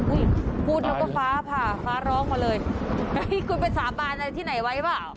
พูดแล้วก็ฟ้าผ่าฟ้าร้องมาเลยเฮ้ยคุณไปสาบานอะไรที่ไหนไว้เปล่า